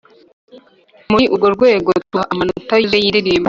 muri urworwego tubaha amanota yuzuye y’indirimbo